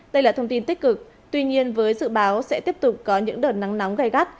đây là thông tin tích cực tuy nhiên với dự báo sẽ tiếp tục có những đợt nắng nóng gai gắt